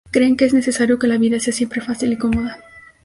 Creen que es necesario que la vida sea siempre fácil y cómoda.